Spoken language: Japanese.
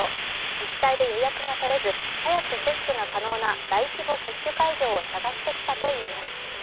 自治体で予約が取れず早く接種が可能な大規模接種会場を探してきたといいます。